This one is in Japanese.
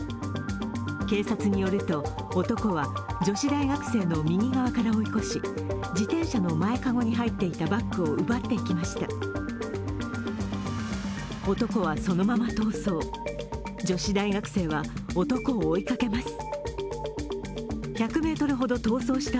警察によると、男は女子大学生の右側から追い越し自転車の前籠に入っていたバッグを奪っていきました。